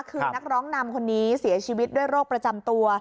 คือนักร้องนำคนนี้เสียชีวิตด้วยโรคประจำตัว